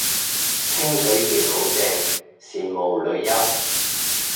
清水健好正，羨慕女優